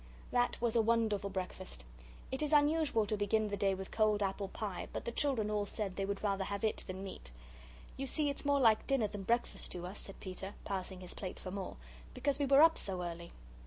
That was a wonderful breakfast. It is unusual to begin the day with cold apple pie, but the children all said they would rather have it than meat. "You see it's more like dinner than breakfast to us," said Peter, passing his plate for more, "because we were up so early."